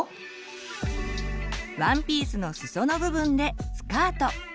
ワンピースのすその部分でスカート。